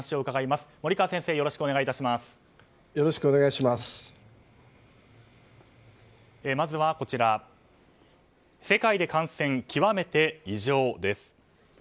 まずは、世界で感染極めて異常です。